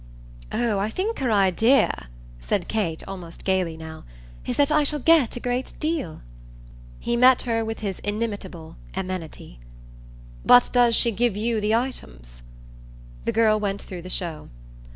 "Oh I think her idea," said Kate almost gaily now, "is that I shall get a great deal." He met her with his inimitable amenity. "But does she give you the items?" The girl went through the show.